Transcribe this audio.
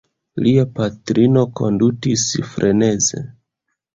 Lia patrino kondutis freneze.